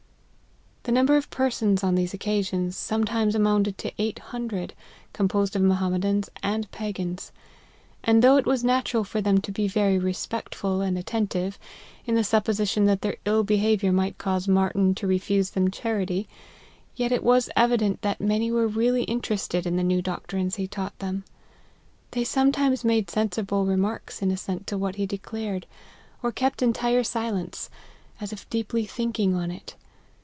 The number of persons on these occasions, some times amounted' to eight hundred, composed of Mo hammedans and Pagans. And though it was na tural for them to be very respectful and attentive, n the supposition that their ill behaviour might cause Martyn to refuse them charity, yet it was evident that many were really interested in the new doctrines he taught them. They sometimes made sensible remarks in assent to what he declared ; or kept entire silence, as if deeply thinking on it.